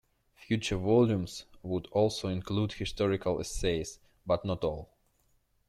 Future volumes would also include historical essays, but not all.